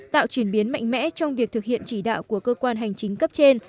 tạo chuyển biến mạnh mẽ trong việc thực hiện chỉ đạo của cơ quan hành chính cấp trên